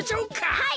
はい！